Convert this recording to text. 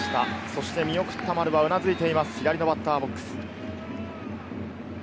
そして見送った丸はうなずいています、左のバッターボックス。